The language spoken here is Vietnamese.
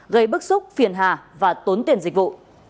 gây bức xúc phiền hà và tốn tiền dịch vụ